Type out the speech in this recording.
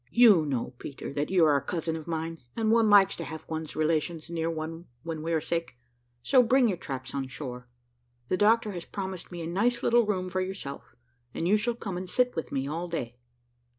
"You know, Peter, that you are a cousin of mine, and one likes to have one's relations near one when we are sick, so bring your traps on shore. The doctor has promised me a nice little room for yourself, and you shall come and sit with me all day."